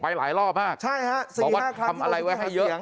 ไปหลายรอบบี่กลัวว่าทำอะไรไว้ให้เยอะ